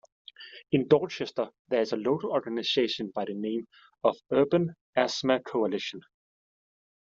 In Dorchester there is a local organization by the name of Urban Asthma Coalition.